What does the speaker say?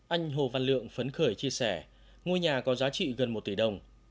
anh hồ văn lượng phấn khởi chia sẻ ngôi nhà có giá trị gần một tỷ đồng